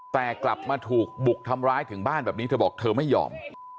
แต่กลับมาถูกบุกทำร้ายถึงบ้านแบบนี้เธอบอกเธอไม่ยอม